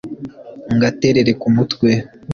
Ngaterere ku mutwe